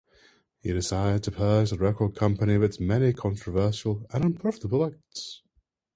He decided to purge the record company of its many controversial and unprofitable acts.